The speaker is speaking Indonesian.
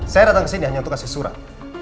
saya datang ke sini hanya untuk kasih surat